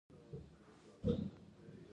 مچان له خلکو وېره نه لري